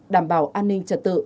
đảm bảo an ninh trật tự